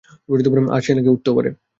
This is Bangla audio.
আর নাকি সে উড়তেও পারে।